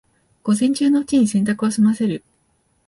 午前中のうちに洗濯を済ませる